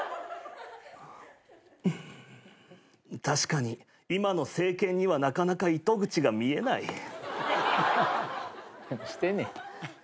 確かに今の政権にはなかなか糸口が見えない。